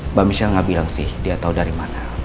mbak michelle enggak bilang sih dia tahu dari mana